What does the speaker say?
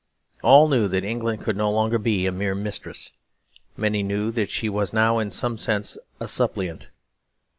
All knew that England could no longer be a mere mistress; many knew that she was now in some sense a suppliant.